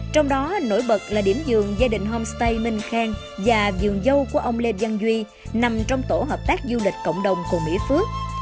trong đó nổi bật là điểm dường gia đình homestay minh khang và dường dâu của ông lê văn duy nằm trong tổ hợp tác du lịch cộng đồng cồn mỹ phước